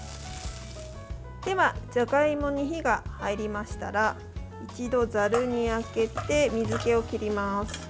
では、じゃがいもに火が入りましたら一度ざるにあけて水けを切ります。